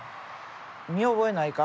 見覚えないか？